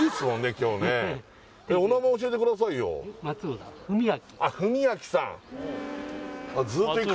今日ねお名前教えてくださいよ松浦文昭文昭さん